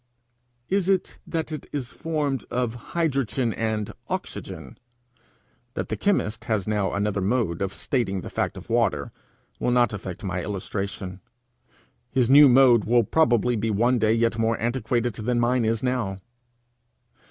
Is it that it is formed of hydrogen and oxygen? That the chemist has now another mode of stating the fact of water, will not affect my illustration. His new mode will probably be one day yet more antiquated than mine is now.